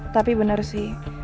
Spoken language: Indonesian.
tapi bener sih